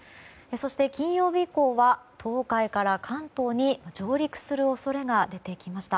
そして金曜日以降は東海から関東に上陸する恐れが出てきました。